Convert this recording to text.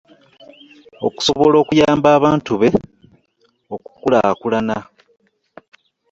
Okusobola okuyamba abantu be okukulaakulana